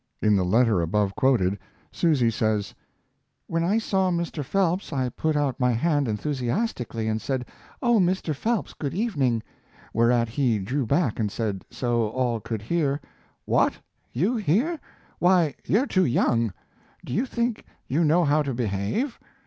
In the letter above quoted Susy says: When I saw Mr. Phelps I put out my hand enthusiastically and said, "Oh, Mr. Phelps, good evening," whereat he drew back and said, so all could hear, "What, you here! why, you're too young. Do you think you know how to behave?"